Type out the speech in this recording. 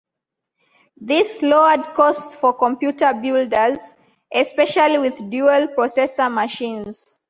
This lowered costs for computer builders, especially with dual processor machines.